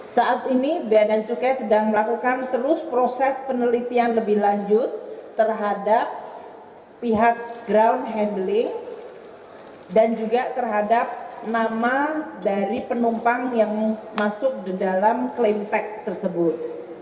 saat ini bea dan cukai sedang melakukan terus proses penelitian lebih lanjut terhadap pihak ground handling dan juga terhadap nama dari penumpang yang masuk di dalam klaim tech tersebut